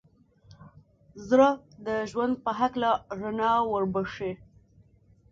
زړه د ژوند په هکله رڼا وربښي.